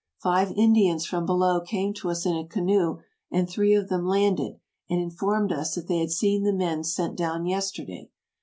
Five Indians from below came to us in a canoe, and three of them landed, and informed us that they had seen the men sent down yesterday.